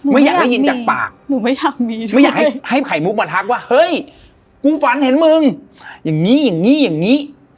ไม่อยากได้ยินจากปากไม่อยากให้ไขมุกมาทักว่าเฮ้ยกูฝันเห็นมึงอย่างนี้